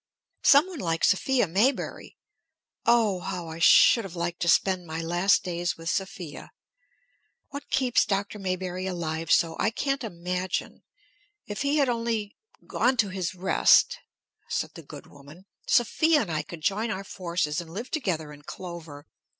Some one like Sophia Maybury. Oh! how I should have liked to spend my last days with Sophia! What keeps Dr. Maybury alive so, I can't imagine. If he had only gone to his rest" said the good woman, "Sophia and I could join our forces and live together in clover.